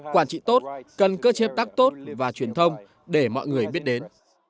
quản trị tốt cần cơ chế tác tốt và truyền thông để mọi người biết đến